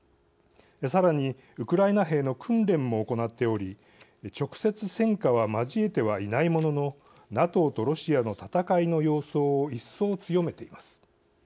さらにウクライナ兵の訓練も行っており直接、戦火は交えてはいないもののＮＡＴＯとロシアの戦いの様相を一層、強めています。